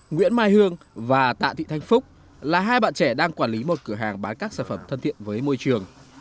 nguyễn mai hương và tạ thị thanh phúc là hai bạn trẻ đang quản lý một cửa hàng bán các sản phẩm thân thiện với môi trường